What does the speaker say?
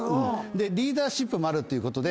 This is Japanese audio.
でリーダーシップもあるっていうことで。